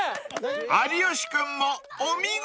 ［有吉君もお見事！］